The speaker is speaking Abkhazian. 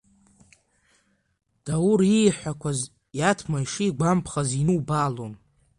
Даур ииҳәақәаз Иаҭма ишигәамԥхаз инубаалон.